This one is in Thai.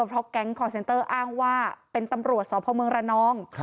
เพราะแก๊งคอร์เซนเตอร์อ้างว่าเป็นตำรวจสพเมืองระนอง